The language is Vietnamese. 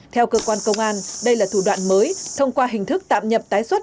theo cơ quan công an đây là thủ đoạn mới thông qua hình thức tạm nhập tái xuất